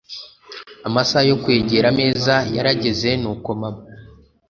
Amasaha yokwegera ameza yarageze nuko mama